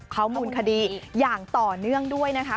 ข้อมูลคดีอย่างต่อเนื่องด้วยนะคะ